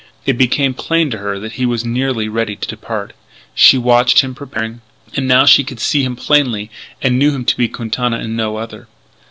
It became plain to her that he was nearly ready to depart. She watched him preparing. And now she could see him plainly, and knew him to be Quintana and no other.